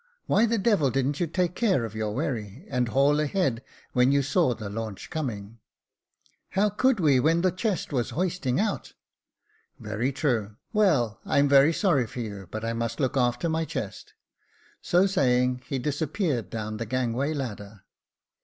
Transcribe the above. Why the devil didn't you take care of your wherry, and haul a head when you saw the launch coming ?"How could we, when the chest was hoisting out ?"" Very true. Well, I am very sorry for you, but I must look after my chest." So saying, he disappeared down the gangway ladder.